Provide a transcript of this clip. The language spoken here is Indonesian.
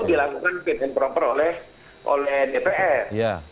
dilakukan fit and proper oleh dpr